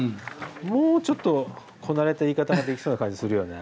もうちょっとこなれた言い方ができそうな感じするよね。